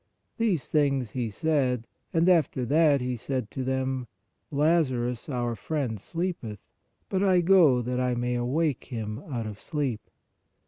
These things He said; and after that He said to them : Lazarus our friend sleepeth ; but I go that I may awake him out of sleep.